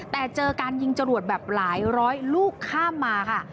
แต่เจอการยิงจรวดแบบหลายร้อยลูกข้ามมาค่ะ